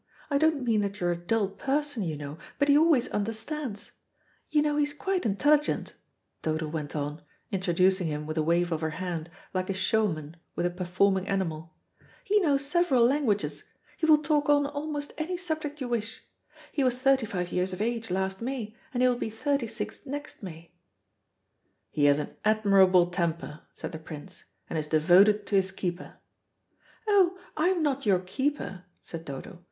I don't mean that you're a dull person, you know, but he always understands. You know he's quite intelligent," Dodo went on, introducing him with a wave of her hand, like a showman with a performing animal. "He knows several languages. He will talk on almost any subject you wish. He was thirty five years of age last May, and will be thirty six next May." "He has an admirable temper," said the Prince, "and is devoted to his keeper." "Oh, I'm not your keeper," said Dodo.